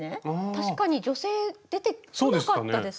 確かに女性出てこなかったですね。